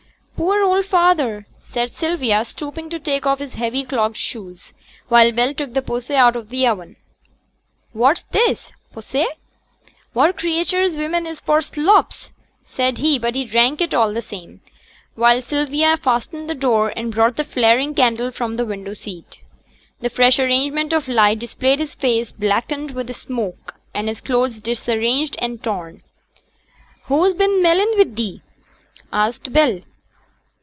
'Poor old feyther!' said Sylvia, stooping to take off his heavy clogged shoes; while Bell took the posset out of the oven. 'What's this? posset? what creatures women is for slops,' said he; but he drank it all the same, while Sylvia fastened the door, and brought the flaring candle from the window seat. The fresh arrangement of light displayed his face blackened with smoke, and his clothes disarranged and torn. 'Who's been melling wi' thee?' asked Bell.